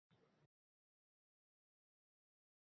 Pul miqdorini so'z bilan yozing!